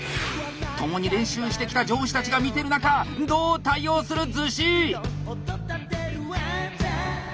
共に練習してきた上司たちが見てる中どう対応する厨子